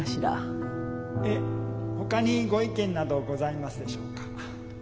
ええほかにご意見などございますでしょうか。